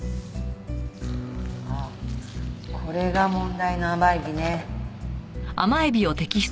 ああこれが問題の甘エビね。